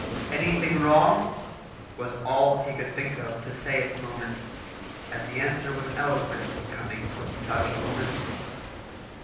"Anything wrong?" was all he could think of to say at the moment. And the answer was eloquent, coming from such a woman.